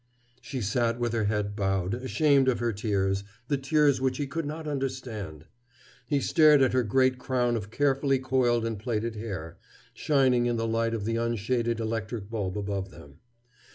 She sat with her head bowed, ashamed of her tears, the tears which he could not understand. He stared at her great crown of carefully coiled and plaited hair, shining in the light of the unshaded electric bulb above them.